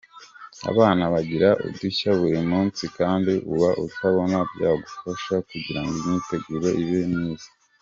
Abana bagira udushya buri munsi kandi uba utubona byagufasha kugirango imyiteguro ibe myiza.